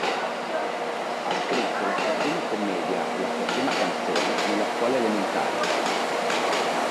Ha scritto la sua prima commedia e la sua prima canzone nella scuola elementare.